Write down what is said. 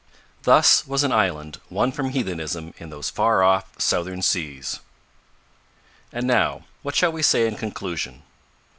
Thus was an island won from heathenism in those far off southern seas! And now, what shall we say in conclusion?